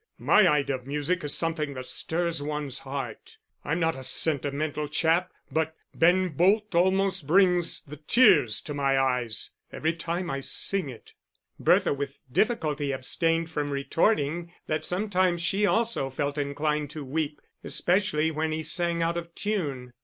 My idea of music is something that stirs one's heart I'm not a sentimental chap, but Ben Bolt almost brings the tears to my eyes every time I sing it." Bertha with difficulty abstained from retorting that sometimes she also felt inclined to weep especially when he sang out of tune.